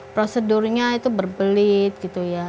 prosedurnya itu berbelit gitu ya